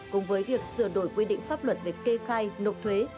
cùng với việc sửa đổi quy định pháp luật về kê khai nộp thuế